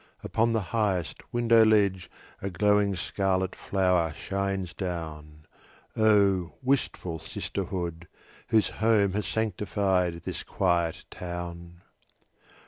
Upon the highest window ledge A glowing scarlet flower shines down. Oh, wistful sisterhood, whose home Has sanctified this quiet town!